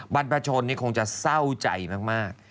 บรรพชนคงจะเศร้าใจมาก